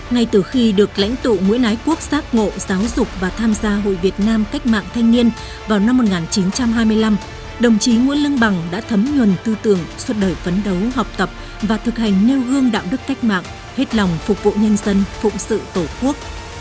ngay từ khi được lãnh tụ nguyễn ái quốc xác ngộ giáo dục và tham gia hội việt nam cách mạng thanh niên vào năm một nghìn chín trăm hai mươi năm đồng chí nguyễn lương bằng đã thấm nhuần tư tưởng suốt đời phấn đấu học tập và thực hành nêu gương đạo đức cách mạng hết lòng phục vụ nhân dân phụng sự tổ quốc